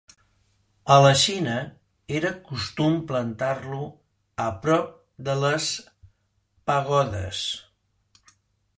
A la Xina era costum plantar-lo a prop de les pagodes.